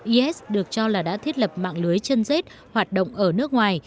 is được cho là đã thiết lập mạng lưới chân rết hoạt động ở nước ngoài